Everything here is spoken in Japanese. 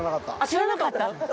知らなかった？